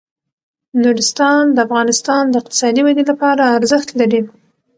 نورستان د افغانستان د اقتصادي ودې لپاره ارزښت لري.